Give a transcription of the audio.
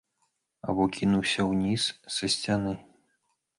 Або кінуўся ўніз са сцяны.